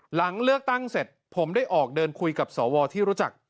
หลังเลือกตั้งเสร็จผมได้ออกเดินคุยกับสวที่รู้จัก